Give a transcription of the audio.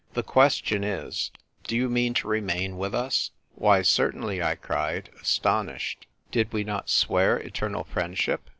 " The question is, do you mean to remain with us ?"" Why, certainly," I cried, astonished. "Did we not swear eternal friendship?"